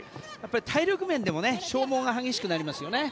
体力面でも消耗が激しくなりますよね。